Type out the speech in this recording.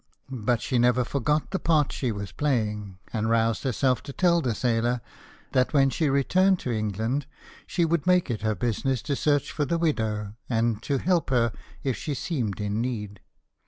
But she never forgot the part she was playing, and roused herself to tell the sailor that when she returned to England she would make it her business to search for the widow, and to help her if she seemed in need.